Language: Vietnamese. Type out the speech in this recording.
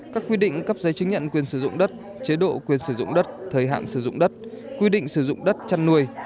các quy định cấp giấy chứng nhận quyền sử dụng đất chế độ quyền sử dụng đất thời hạn sử dụng đất quy định sử dụng đất chăn nuôi